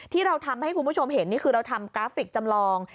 ที่เราทำให้คุณผู้ชมเห็นนี่คือเราทำกราฟิกจำลอง